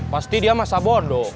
pasti dia masa bodo